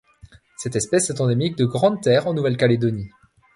Cette espèce est endémique de Grande Terre en Nouvelle-Calédonie.